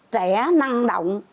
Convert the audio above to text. trẻ năng động